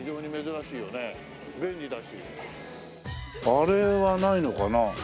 あれはないのかな？